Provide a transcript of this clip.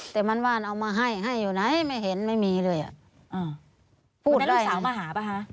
แต่มันว่านเอามาให้ให้อยู่ไหนไม่เห็นไม่มีเลยอ่ะอ้าวพรุ่งนี้ลูกสาวมาหาป่ะคะ